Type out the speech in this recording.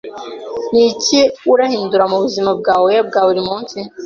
Ni iki urahindura mu buzima bwawe bwa buri munsi